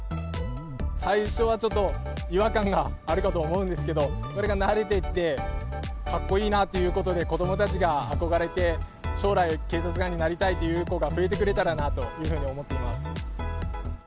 最初はちょっと違和感があるかと思うんですけど、これが慣れていって、かっこいいなということで、子どもたちが憧れて、将来、警察官になりたいという子が増えてくれたらなというふうに思っています。